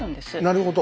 なるほど。